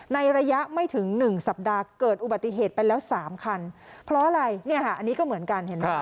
ในระยะไม่ถึง๑สัปดาห์เกิดอุบัติเหตุไปแล้ว๓ครั้นเพราะอะไรอันนี้ก็เหมือนกัน